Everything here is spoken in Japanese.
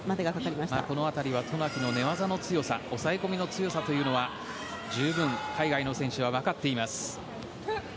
この辺りは渡名喜の寝技の強さ抑え込みの強さというのは十分、海外の選手はわかっています。